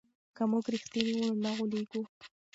که موږ رښتیني وو نو نه غولېږو.